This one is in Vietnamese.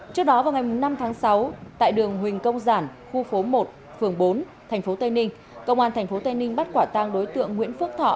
trước đó vào ngày năm tháng sáu tại đường huỳnh công giản khu phố một phường bốn thành phố tây ninh công an thành phố tây ninh bắt quả tang đối tượng nguyễn phước thọ